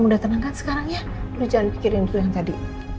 mudah mudahan sekarang ya berjalan kirim tadi